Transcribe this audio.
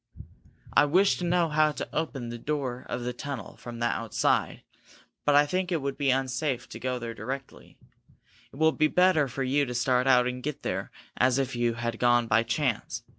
"I wish to know how to open the door of the tunnel from the outside," said Fred. "But I think it would be unsafe to go there directly. It will be better for you to start out and get there as if you had gone by chance.